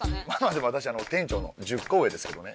でも私店長の１０コ上ですけどね。